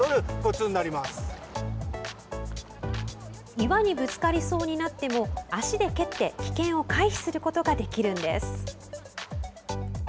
岩にぶつかりそうになっても足で蹴って、危険を回避することができるんです。